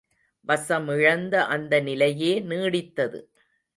வசமிழந்த அந்த நிலையே நீடித்தது.